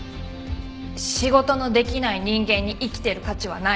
仕事のできない人間に生きてる価値はない。